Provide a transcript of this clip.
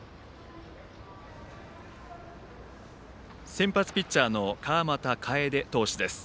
先発ピッチャーの川又楓投手です。